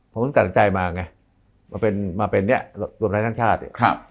ผมต้องต่างใจมาไงมาเป็นตัวประทานชาติ